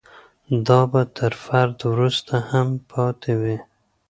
دا به تر فرد وروسته هم پاتې وي.